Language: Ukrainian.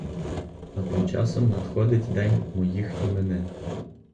А тим часом надходить день моїх іменин.